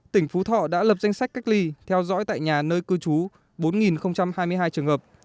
tỉnh phú thọ đã lập danh sách cách ly theo dõi tại nhà nơi cư trú bốn hai mươi hai trường hợp